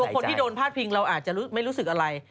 คนที่โดนพาดพิงเราอาจจะไม่รู้สึกอะไร